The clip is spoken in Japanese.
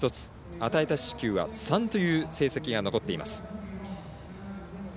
与えた四死球は３という成績が残っています。